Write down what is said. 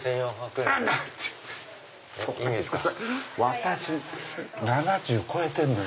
私７０超えてるのよ。